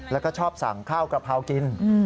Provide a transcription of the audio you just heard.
แล้วก็ชอบสั่งข้าวกระเพรากิน